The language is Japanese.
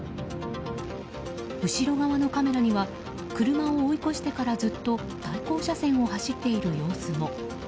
後ろ側のカメラには車を追い越してから、ずっと対向車線を走っている様子も。